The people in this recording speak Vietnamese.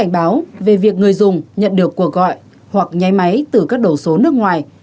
cảnh báo về việc người dùng nhận được cuộc gọi hoặc nháy máy từ các đầu số nước ngoài